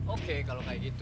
oke kalau kayak gitu